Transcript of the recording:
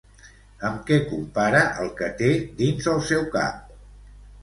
Amb què compara el que té dins el seu cap?